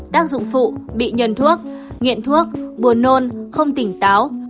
tác dụng phụ bị nhân thuốc nghiện thuốc buồn nôn không tỉnh táo